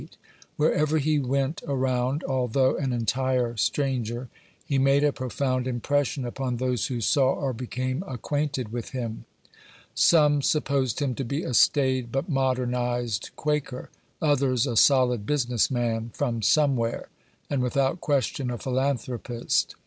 Wherever he went around, although an entire stran ger, he made , a profound impression upon those who saw or became acquainted with him. Some supposed him to be a staid but modernized Quaker ; others, a solid business man, from "somewhere," and without question a philanthropist.